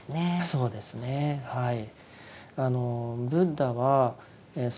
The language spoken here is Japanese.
そうですねはい。